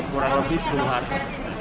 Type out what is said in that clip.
kurang lebih sepuluh hari